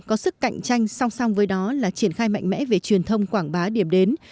có sức cạnh tranh song song với đó là triển khai mạnh mẽ về truyền thông quảng bá điểm đến